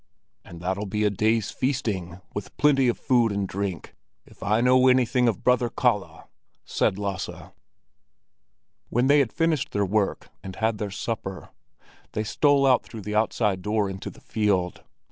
"And that'll be a day's feasting, with plenty of food and drink, if I know anything of Brother Kalle!" said Lasse. When they had finished their work and had their supper, they stole out through the outside door into the field.